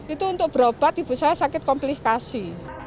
itu untuk berobat ibu saya sakit komplikasi